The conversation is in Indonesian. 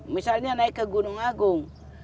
misalnya naik ke gunung agung